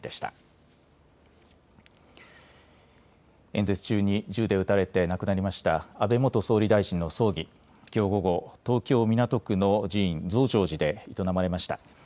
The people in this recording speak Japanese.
演説中に銃で撃たれて亡くなりました安倍元総理大臣の葬儀、きょう午後、東京港区の寺院、増上寺で営まれました。